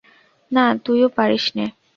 না, তুইও পারিস নে।